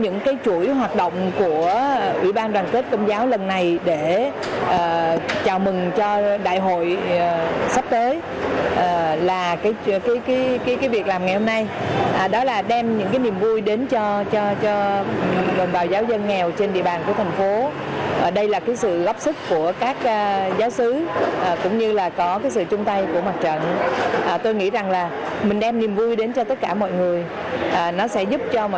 nhằm chào mừng ngày đại hội đại biểu người công giáo việt nam tp hcm